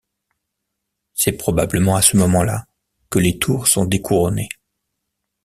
C'est probablement à ce moment-là que les tours sont découronnées.